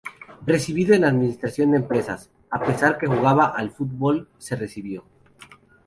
Recibido en Administración de empresas, a pesar que jugaba al futbol se recibió.